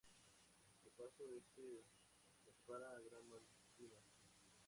El paso Este la separa de Gran Malvina.